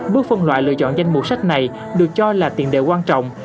bước phân loại lựa chọn danh mục sách này được cho là tiền đề quan trọng